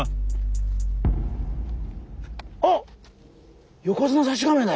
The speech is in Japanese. あっ！